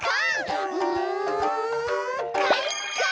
うんかいか！